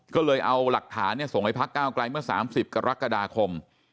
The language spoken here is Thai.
ก็เลยเอาหลักฐานส่งไปพักก้าวไกลเมื่อ๓๐กรกฎาคม